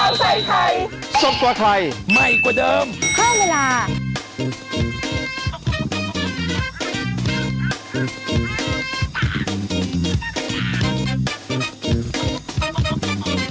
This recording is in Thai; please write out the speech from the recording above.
สวัสดีครับ